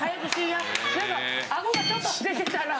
なんかアゴがちょっと出てたら。